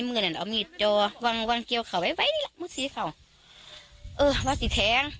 เมื่อนั่นออกมีจอวางวางเกียวเขาไว้ไว้นี่ละมูษีเขาเออวะสิแท้ง